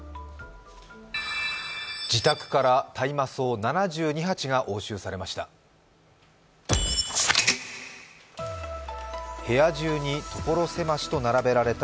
自宅から大麻草７２鉢が押収されました。